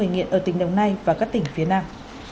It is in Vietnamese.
điều tra mở rộng công an tỉnh đồng nai và các tỉnh phía nam